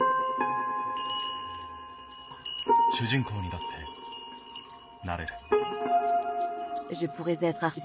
主人公にだってなれる。